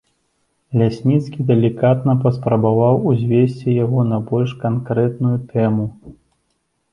Лясніцкі далікатна паспрабаваў узвесці яго на больш канкрэтную тэму.